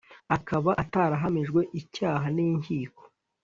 a kuba atarahamijwe icyaha n inkiko